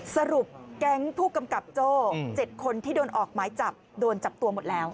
แก๊งผู้กำกับโจ้๗คนที่โดนออกหมายจับโดนจับตัวหมดแล้ว